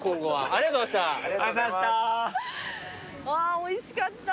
あぁおいしかった。